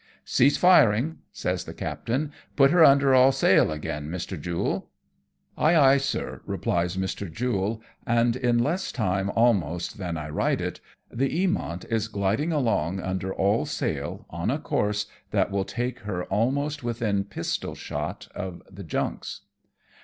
" Cease firing," says the captain ;" put her under all sail again, Mr. Jule.'^ Ay, ay, sir!" replies Mr. Jule, and in less time almost than I write it, the Eamont is gliding along ATTACKED BY PIRATES. 31 under all sail on a course that will take her almost within pistol shot of the junks.